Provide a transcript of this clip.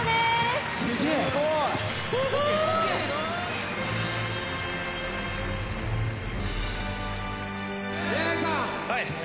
すごい。